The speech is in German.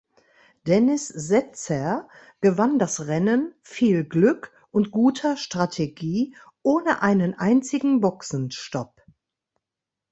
Dennis Setzer gewann das Rennen viel Glück und guter Strategie ohne einen einzigen Boxenstopp.